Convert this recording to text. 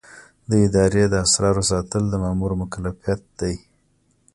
د ادارې د اسرارو ساتل د مامور مکلفیت دی.